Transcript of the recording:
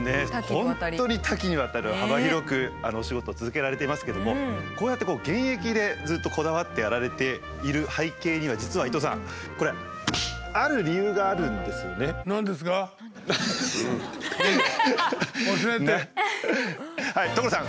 本当に多岐にわたる幅広くお仕事を続けられていますけどもこうやって現役でずっとこだわってやられている背景には実は伊東さんこれ所さん！